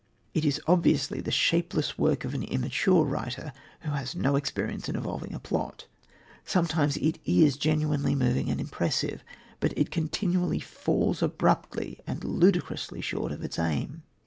It is obviously the shapeless work of an immature writer who has had no experience in evolving a plot. Sometimes it is genuinely moving and impressive, but it continually falls abruptly and ludicrously short of its aim.